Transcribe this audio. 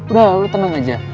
udah lo tenang aja